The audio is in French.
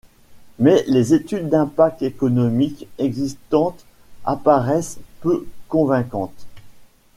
Mais les études d'impact économique existantes apparaissent peu convaincantes.